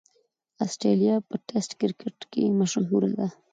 اسټرالیا په ټېسټ کرکټ کښي مشهوره ده.